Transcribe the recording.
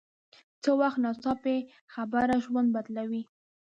څه وخت ناڅاپي خبره ژوند بدلوي